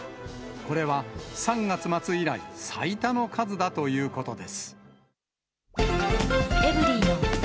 これは３月末以来、最多の数だということです。